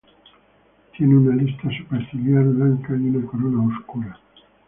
Tiene una lista superciliar blanca y una corona oscura.